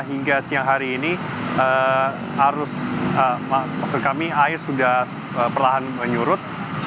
hingga siang hari ini arus maksud kami air sudah perlahan menyurut